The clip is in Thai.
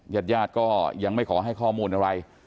ญาติญาติก็ยังไม่ขอให้ข้อมูลอะไร